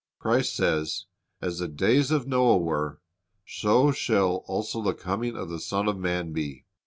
Christ says, "As the days of Noah were, so shall also the coming of the Son of man be.